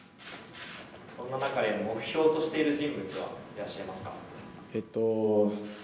そんな中、目標としている人物はいらっしゃいますか？